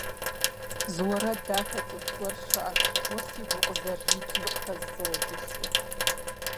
Зы уэрэд дахэ цӀыкӀу гуэр щыӀэщ уэ сигу укъызэрыридзэу къыхэздзэрэ жысӀэу.